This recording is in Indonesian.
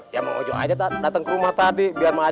ya ma'am ojo aja dateng ke rumah tadi biar mak ojo aja